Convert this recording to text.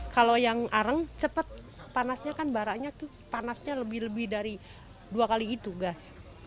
kalau yang arang cepat panasnya kan baraknya tuh panasnya lebih lebih dari dua kali itu gas